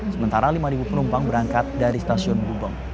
sementara lima penumpang berangkat dari stasiun gubeng